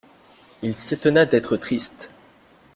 Il s'étonna d'être triste.